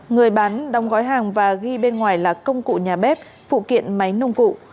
người bán đóng gói hàng và ghi bên ngoài là công cụ nhà bếp phụ kiện máy nông cụ